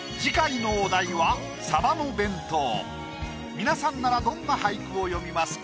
皆さんならどんな俳句を詠みますか？